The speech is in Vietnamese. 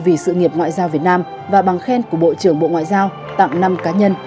vì sự nghiệp ngoại giao việt nam và bằng khen của bộ trưởng bộ ngoại giao tặng năm cá nhân